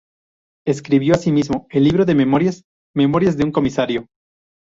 Escribió asimismo el libro de memorias "Memorias de un comisario".